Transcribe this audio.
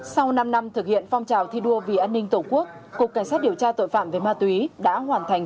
sau năm năm thực hiện phong trào thi đua vì an ninh tổ quốc cục cảnh sát điều tra tội phạm về ma túy đã hoàn thành